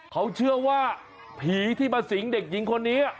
เขาเชื่อว่าผีที่มาสิงเด็กหญิงคนนี้